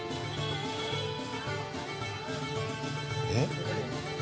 えっ？